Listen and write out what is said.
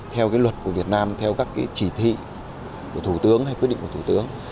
theo cái luật của việt nam theo các cái chỉ thị của thủ tướng hay quyết định của thủ tướng